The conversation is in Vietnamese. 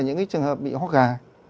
những cái trường hợp bị ho gà